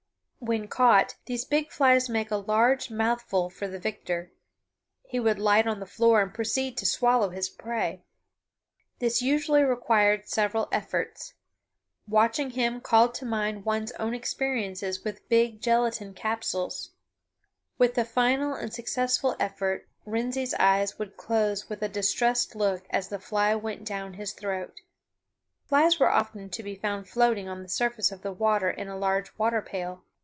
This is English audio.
When caught, these big flies made a large mouthful for the victor. He would light on the floor and proceed to swallow his prey. This usually required several efforts. Watching him called to mind one's own experiences with big gelatine capsules. With the final and successful effort Wrensie's eyes would close with a distressed look as the fly went down his throat. Flies were often to be found floating on the surface of the water in a large water pail.